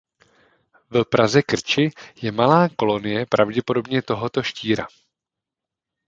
V Praze Krči je malá kolonie pravděpodobně tohoto štíra.